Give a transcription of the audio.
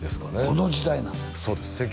この時代なんだそうです